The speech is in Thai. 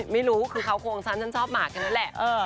ไม่รู้คือเขาคงฉันฉันชอบหมากแค่นั้นแหละ